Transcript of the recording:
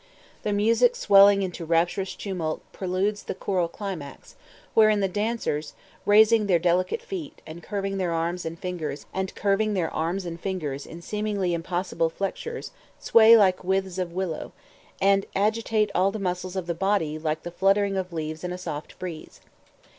The music swelling into a rapturous tumult preludes the choral climax, wherein the dancers, raising their delicate feet, and curving their arms and fingers in seemingly impossible flexures, sway like withes of willow, and agitate all the muscles of the body like the fluttering of leaves in a soft breeze.